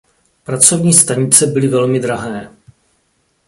Pracovní stanice byly velmi drahé.